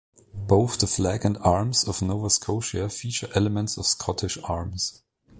Both the flag and arms of Nova Scotia feature elements of the Scottish arms.